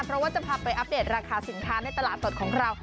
เพราะว่าจะพาไปอัปเดตราคาสินค้าในตลาดสดของเรา